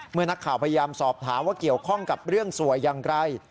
เมื่อนักข่าวพยายามสอบถามว่าเกี่ยวข้องกับเรื่องสวยอย่างไร